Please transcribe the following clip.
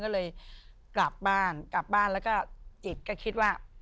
ก็เลยกลับบ้านกลับบ้านแล้วก็จิตก็คิดว่า